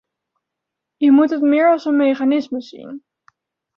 Je moet het meer als een mechanisme zien.